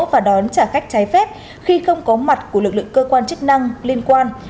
và đón trả khách trái phép khi không có mặt của lực lượng cơ quan chức năng liên quan